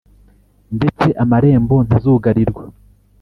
ndetse amarembo ntazugarirwa